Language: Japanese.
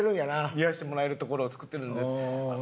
癒やしてもらえる所を作ってるので。